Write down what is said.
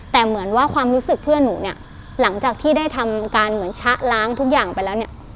แต่เหมือนว่าความรู้สึกเพื่อนหนูเนี่ยหลังจากที่ได้ทำการเหมือนชะล้างทุกอย่างไปแล้วเนี่ย